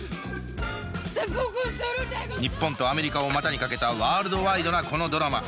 日本とアメリカを股にかけたワールドワイドなこのドラマ。